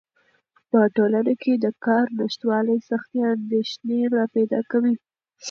په ټولنه کې د کار نشتوالی سختې اندېښنې راپیدا کوي.